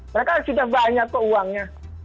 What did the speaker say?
mereka sudah banyak uangnya